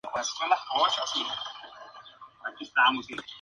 Would You like a Tour?